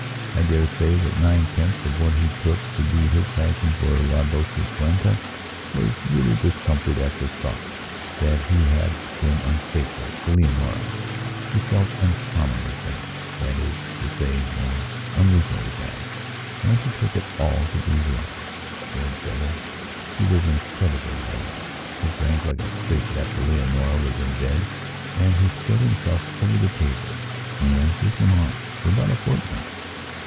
I dare say that nine tenths of what he took to be his passion for La Dolciquita was really discomfort at the thought that he had been unfaithful to Leonora. He felt uncommonly bad, that is to sayoh, unbearably bad, and he took it all to be love. Poor devil, he was incredibly naïve. He drank like a fish after Leonora was in bed and he spread himself over the tables, and this went on for about a fortnight.